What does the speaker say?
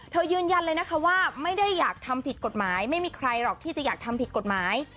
ยืนยันเลยนะคะว่าไม่ได้อยากทำผิดกฎหมายไม่มีใครหรอกที่จะอยากทำผิดกฎหมาย